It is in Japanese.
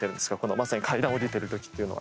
まさに階段下りてる時っていうのは。